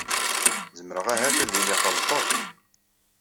Zemreɣ ahat ad iliɣ ɣelḍeɣ.